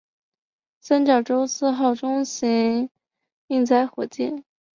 三角洲四号中型运载火箭。